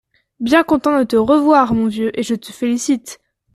Bien content de te revoir, mon vieux, et je te félicite.